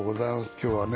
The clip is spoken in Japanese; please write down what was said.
今日はね